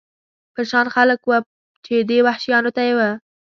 په شان خلک و، چې دې وحشیانو ته یې.